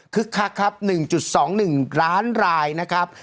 คึกคักครับ๑๒๑ล้านรายเงิน